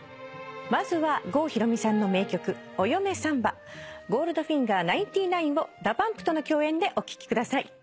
まずは郷ひろみさんの名曲『お嫁サンバ』『ＧＯＬＤＦＩＮＧＥＲ’９９』をＤＡＰＵＭＰとの共演でお聴きください。